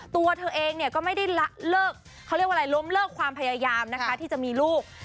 ตัวเธอเองก็ไม่ได้ล้มเลิกความพยายามที่มีลูก